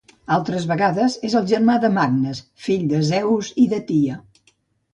Altres vegades és el germà de Magnes, fill de Zeus i de Tia.